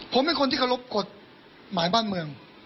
ผมเป็นคนที่เคารพกฎหมายบ้านเมือง